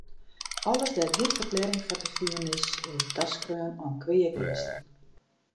Alles dêr't gjin ferklearring foar te finen is, wurdt taskreaun oan kweageasten.